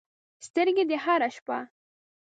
سترګې دې هره شپه